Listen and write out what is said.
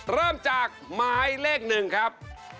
เริ่มจากหมายเลข๑ครับ